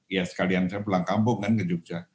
ya sekalian saya pulang kampung kan ke jogja